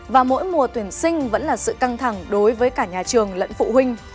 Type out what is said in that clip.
và mỗi mùa tuyển sinh vẫn là sự căng thẳng đối với cả nhà trường lẫn phụ huynh